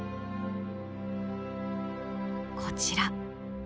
こちら。